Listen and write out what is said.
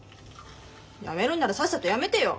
辞めるんならさっさと辞めてよ！